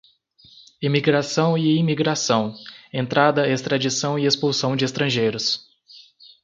emigração e imigração, entrada, extradição e expulsão de estrangeiros;